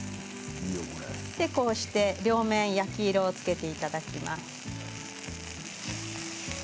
こうして両面焼き色をつけていただきます。